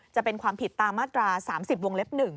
จะเป็นความผิดตามมาตรา๓๐วงเล็บ๑